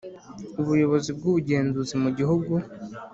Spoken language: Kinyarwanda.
ubuyobozi bw’ ubugenzuzi mu gihugu